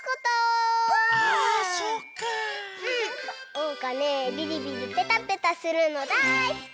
おうかねビリビリペタペタするのだいすき！